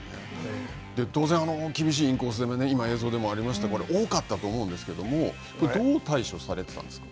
当然、厳しいインコース攻め、今、映像でもありました、多かったと思うんですが、どう対処されてたんですか。